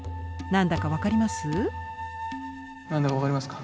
何だか分かりますか。